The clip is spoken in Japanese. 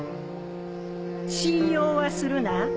信用はするな。